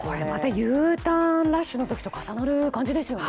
Ｕターンラッシュの時と重なる感じですよね。